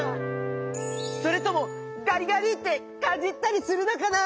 それともガリガリってかじったりするのかな？